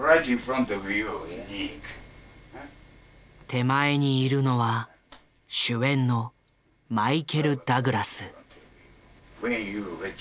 手前にいるのは主演のマイケル・ダグラス。